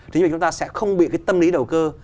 thì chúng ta sẽ không bị cái tâm lý đầu cơ